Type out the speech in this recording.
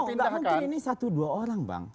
tidak mungkin ini satu dua orang bang